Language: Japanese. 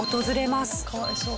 かわいそう。